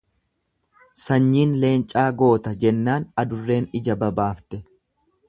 """Sanyiin leencaa goota"" jennaan adurreen ija babaafte."